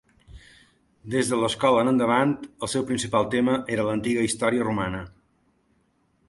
Des de l'escola en endavant, el seu principal tema era l'antiga història romana.